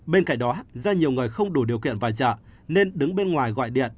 bên cạnh đó do nhiều người không đủ điều kiện vào chợ nên đứng bên ngoài gọi điện